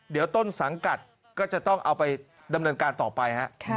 เดี๋ยวต้นสังกัดก็จะต้องเอาไปดำเนินการต่อไปฮะ